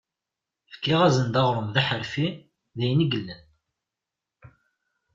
Fkiɣ-asen-d aɣrum d aḥerfi, d ayen i yellan.